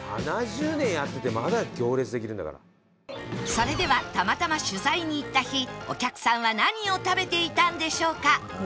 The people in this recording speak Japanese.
それではたまたま取材に行った日お客さんは何を食べていたんでしょうか？